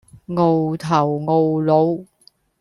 傲頭傲腦